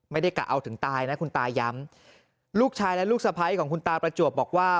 กะเอาถึงตายนะคุณตาย้ำลูกชายและลูกสะพ้ายของคุณตาประจวบบอกว่า